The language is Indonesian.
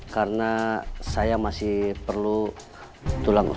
karena saya masih perlu tulang usut